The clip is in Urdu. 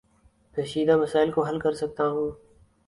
پیچیدہ مسائل کو حل کر سکتا ہوں